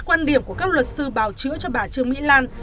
quan điểm của các luật sư bào chữa cho bà trương mỹ lan